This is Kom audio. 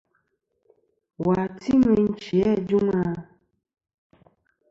Wà ti meyn chi ajûŋ a?